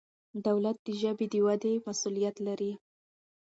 دولت د ژبې د ودې مسؤلیت لري.